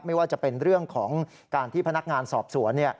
ไม่ว่าจะเป็นเรื่องของการที่พนักงานสอบสวน